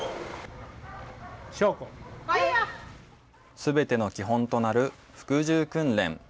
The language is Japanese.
すべての基本となる服従訓練。